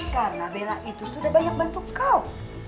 karena bella itu sudah banyak bantu kau